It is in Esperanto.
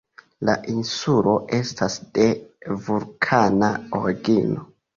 La insulo estas de vulkana origino.